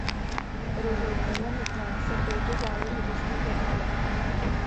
Rozhodně je nutné se touto záležitostí zabývat.